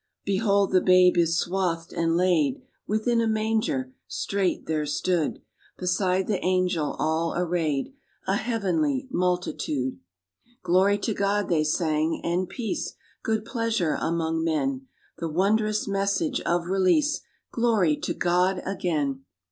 "Behold the babe is swathed, and laid Within a manger." Straight there stood Beside the angel all arrayed A heavenly multitude. "Glory to God," they sang; "and peace, Good pleasure among men." The wondrous message of release! Glory to God again!